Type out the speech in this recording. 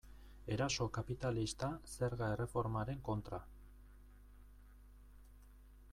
Eraso kapitalista zerga erreformaren kontra.